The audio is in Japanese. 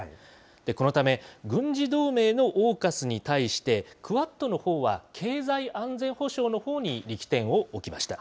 このため、軍事同盟のオーカスに対して、クアッドのほうは、経済安全保障のほうに力点を置きました。